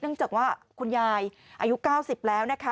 จากว่าคุณยายอายุ๙๐แล้วนะคะ